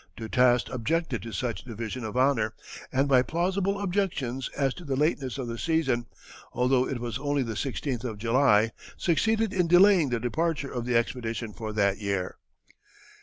Du Tast objected to such division of honor, and by plausible objections as to the lateness of the season, although it was only the 16th of July, succeeded in delaying the departure of the expedition for that year.